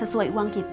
sesuai uang kita